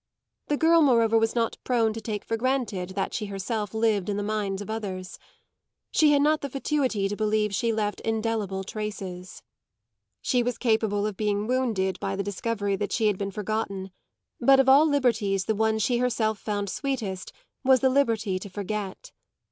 The girl moreover was not prone to take for granted that she herself lived in the mind of others she had not the fatuity to believe she left indelible traces. She was capable of being wounded by the discovery that she had been forgotten; but of all liberties the one she herself found sweetest was the liberty to forget.